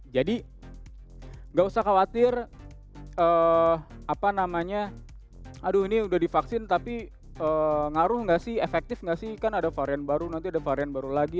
jadi nggak usah khawatir aduh ini udah divaksin tapi ngaruh nggak sih efektif nggak sih kan ada varian baru nanti ada varian baru lagi